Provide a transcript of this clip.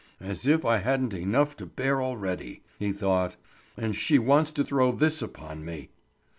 "As if I hadn't enough to bear already!" he thought. "And she wants to throw this upon me!"